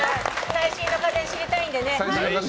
最新の家電、知りたいのでね。